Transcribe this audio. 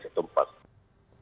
dan juga dengan pemerintah daerah